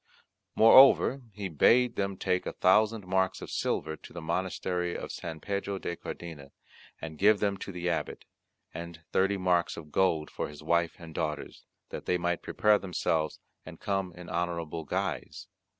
Moreover he bade them take a thousand marks of silver to the monastery of St. Pedro de Cardena, and give them to the Abbot, and thirty marks of gold for his wife and daughters, that they might prepare themselves and come in honourable guise.